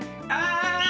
ああ！